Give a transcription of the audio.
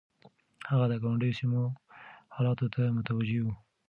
هغه د ګاونډيو سيمو حالاتو ته متوجه و.